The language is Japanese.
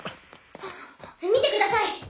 見てください！